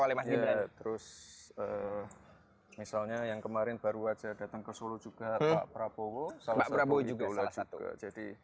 oleh masih terus misalnya yang kemarin baru aja datang ke solo juga prabowo prabowo juga jadi